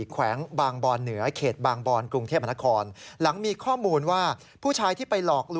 แขวงบางบรเหนือเขตบางบรกรุงเทพมนาค